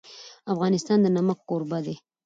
افغانستان د نمک کوربه دی.